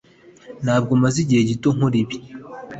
Ntabwo maze igihe gito nkora ibi